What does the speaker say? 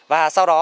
và sau đó